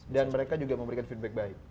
dan mereka juga memberikan feedback baik